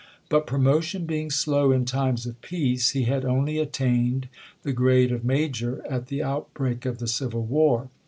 But promotion being slow in times of peace, he had only attained the grade of major at the outbreak of the civil war.